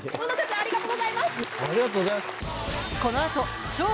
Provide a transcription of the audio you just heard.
ありがとうございます。